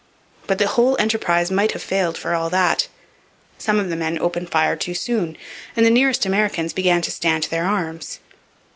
But the whole enterprise might have failed, for all that. Some of the men opened fire too soon, and the nearest Americans began to stand to their arms.